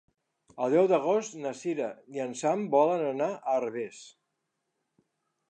El deu d'agost na Cira i en Sam volen anar a Herbers.